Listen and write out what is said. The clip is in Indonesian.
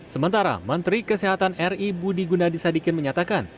sementara menteri kesehatan ri budi gunadisadikin menyatakan